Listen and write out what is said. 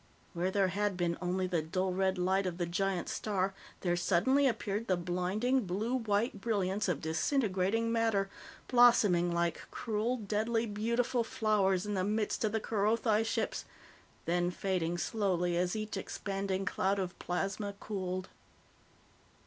Where there had been only the dull red light of the giant star, there suddenly appeared the blinding, blue white brilliance of disintegrating matter, blossoming like cruel, deadly, beautiful flowers in the midst of the Kerothi ships, then fading slowly as each expanding cloud of plasma cooled.